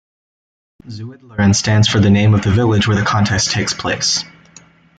Zuidlaren stands for the name of the village where the contest takes place.